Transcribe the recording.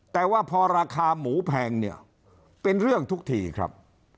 แต่ว่าพอราคาหมูแพงเนี่ยเป็นเรื่องทุกทีครับ